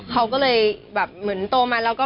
เขาก็เลยแบบเหมือนโตมาแล้วก็